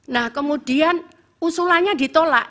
nah kemudian usulannya ditolak